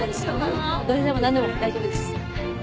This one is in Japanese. どれでも何でも大丈夫です。